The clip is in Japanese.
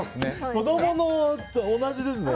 子供と同じですね。